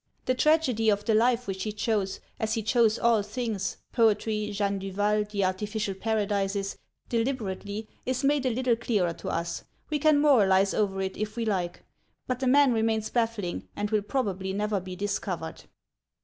The tragedy of the life which he chose, as he chose all things (poetry, Jeanne Duval, the 'artificial paradises') deliberately, is made a little clearer to us; we can moralise over it if we like. But the man remains baffling, and will probably never be discovered.